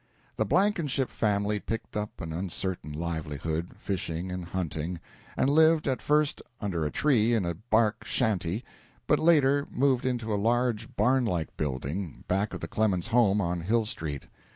The Blankenship family picked up an uncertain livelihood, fishing and hunting, and lived at first under a tree in a bark shanty, but later moved into a large, barn like building, back of the Clemens home on Hill Street.